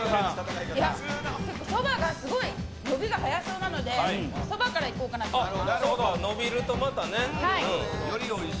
いや、そばがすごい伸びが早そうなので、そばからいこうかなと思います。